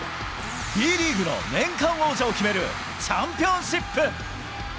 Ｂリーグの年間王者を決めるチャンピオンシップ。